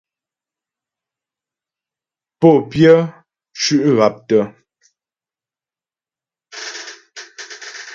Pô pyə́ cʉ́' haptə.